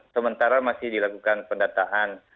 sementara masih dilakukan pendataan